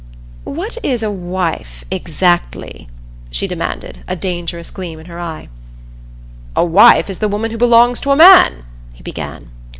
"What is a 'wife' exactly?" she demanded, a dangerous gleam in her eye. "A wife is the woman who belongs to a man," he began.